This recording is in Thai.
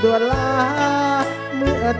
จริง